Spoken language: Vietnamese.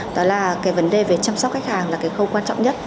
đó là cái vấn đề về chăm sóc khách hàng là cái khâu quan trọng nhất